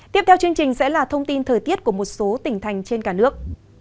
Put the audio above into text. tiếp theo chương trình sẽ là thông tin thời tiết của một số tỉnh thành trên cả nước